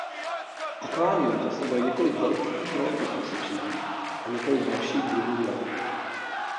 Akvárium představuje několik velkých žraloků písečných a několik dalších druhů žraloků.